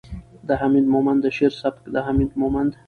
، د حميد مومند د شعر سبک ،د حميد مومند